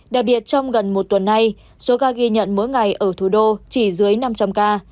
đặc biệt trong gần một tuần nay số ca ghi nhận mỗi ngày ở thủ đô chỉ dưới năm trăm linh ca